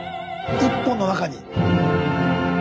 一本の中に。